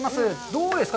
どうですか？